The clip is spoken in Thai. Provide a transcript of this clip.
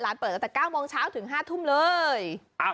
เปิดตั้งแต่๙โมงเช้าถึง๕ทุ่มเลย